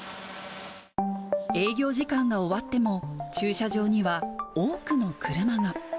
営業時間が終わっても、駐車場には多くの車が。